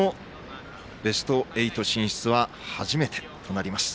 ベスト８進出は初めてとなります。